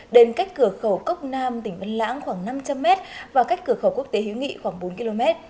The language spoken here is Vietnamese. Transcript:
đến cách cửa khẩu cốc nam tỉnh vân lãng khoảng năm trăm linh m và cách cửa khẩu quốc tế hiếu nghị khoảng bốn km